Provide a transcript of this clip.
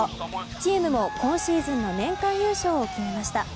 チームも今シーズンの年間優勝を決めました。